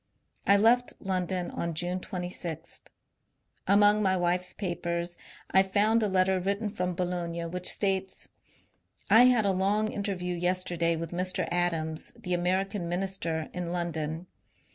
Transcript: I left London on June 26. Among my wife's papers I find a letter written from Boulogne which says :— I had a long interview yesterday with Mr. Adams the American Minister in London.